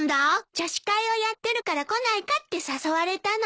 女子会をやってるから来ないかって誘われたの。